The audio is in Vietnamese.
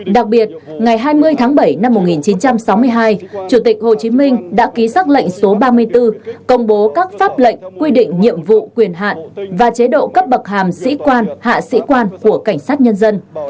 đặc biệt ngày hai mươi tháng bảy năm một nghìn chín trăm sáu mươi hai chủ tịch hồ chí minh đã ký xác lệnh số ba mươi bốn công bố các pháp lệnh quy định nhiệm vụ quyền hạn và chế độ cấp bậc hàm sĩ quan hạ sĩ quan của cảnh sát nhân dân